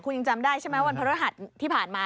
คุณยังจำได้ใช่ไหมวันพระรหัสที่ผ่านมา